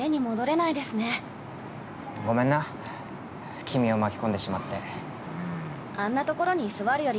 ごめんな、君を巻きこんでしまって。